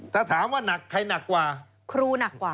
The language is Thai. ถ้าถามว่าใครหนักกว่า